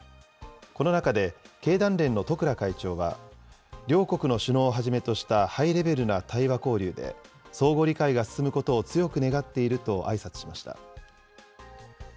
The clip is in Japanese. この中で経団連の十倉会長は、両国の首脳をはじめとしたハイレベルな対話交流で相互理解が進むことを強く願っているとあいさつしました。